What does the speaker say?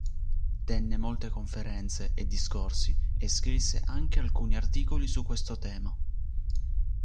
Tenne molte conferenze e discorsi e scrisse anche alcuni articoli su questo tema.